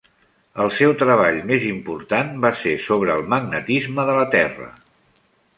El seu treball més important va ser sobre el magnetisme de la Terra.